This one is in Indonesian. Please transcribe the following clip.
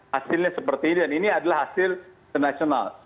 hasilnya seperti ini dan ini adalah hasil internasional